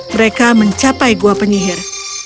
mereka mencapai gua penyihir